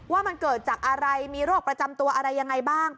ว่ามันเกิดจากอะไรมีโรคประจำตัวอะไรยังไงบ้าง